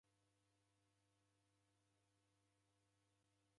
Waaghi wavika